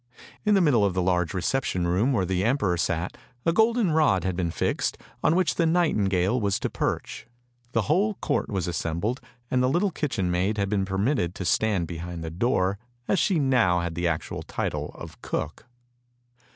In the middle of the large reception room where the emperor sat, a golden rod had been fixed, on which the nightingale was to perch. The whole court was assembled, and the little kitchen maid had been permitted to stand behind the door, as she now had the actual title of cook.